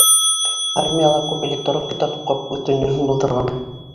Армияла күп электрон китап уҡып, үҙ донъяһын булдырған.